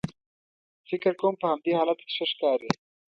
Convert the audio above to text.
فکر کوم په همدې حالت کې ښه ښکارې.